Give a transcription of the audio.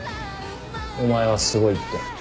お前はすごいって。